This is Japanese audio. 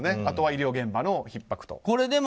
あとは医療現場のひっ迫と。